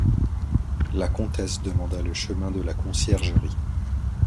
La comtesse demanda le chemin de la Conciergerie.